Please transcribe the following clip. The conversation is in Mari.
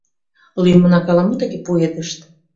Лӱмынак ала-мо тыге пуэдышт.